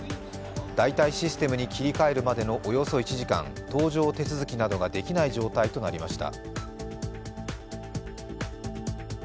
代替システムに切り替えるまでのおよそ１時間搭乗手続きなどができない状態となりました。